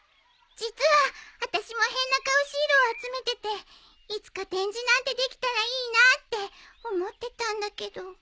実はあたしもへんなカオシルを集めてていつか展示なんてできたらいいなーって思ってたんだけど。